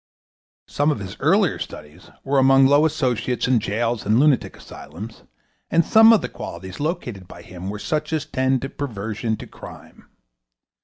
Some of his earlier studies were among low associates in jails and lunatic asylums, and some of the qualities located by him were such as tend to perversion to crime.